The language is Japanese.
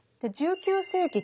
１９世紀